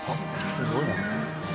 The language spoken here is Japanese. すごいな。